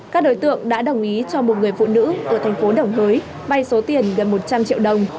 các đối tượng đã đồng ý cho một người phụ nữ ở thành phố đồng hới bay số tiền gần một trăm linh triệu đồng